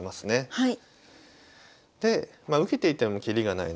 はい。